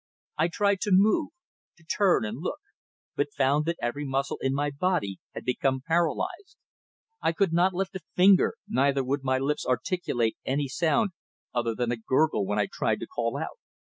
I tried to move to turn and look but found that every muscle in my body had become paralysed. I could not lift a finger, neither would my lips articulate any sound other than a gurgle when I tried to cry out.